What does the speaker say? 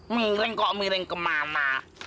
miring kok miring kemana